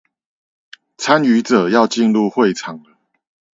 參與者要進入會場了